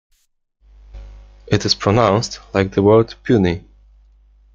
It is pronounced like the word puny.